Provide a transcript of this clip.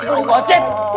enggak usah cek